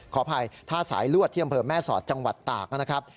ขออภัยท่าสายลวดที่อำเภอแม่สอดจังหวัดตากนะครับ